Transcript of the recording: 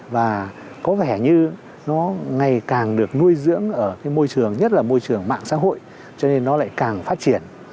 và có vẻ như nó ngày càng được nuôi dưỡng ở cái môi trường nhất là môi trường mạng xã hội cho nên nó lại càng phát triển